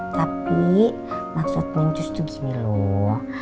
tapi maksudnya sus tuh gini loh